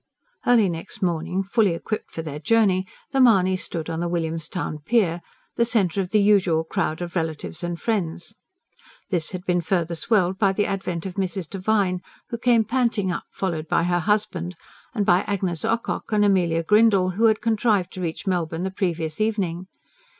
Early next morning, fully equipped for their journey, the Mahonys stood on the William's Town pier, the centre of the usual crowd of relatives and friends. This had been further swelled by the advent of Mrs. Devine, who came panting up followed by her husband, and by Agnes Ocock and Amelia Grindle, who had contrived to reach Melbourne the previous evening.